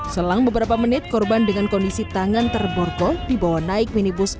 selang beberapa menit korban dengan kondisi tangan terborgol dibawa naik minibus